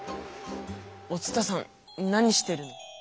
お伝さん何してるの？